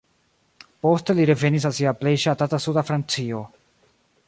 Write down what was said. Poste li revenis al sia plej ŝatata suda Francio.